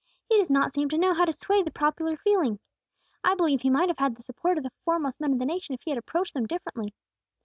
He does not seem to know how to sway the popular feeling. I believe He might have had the support of the foremost men of the nation, if He had approached them differently.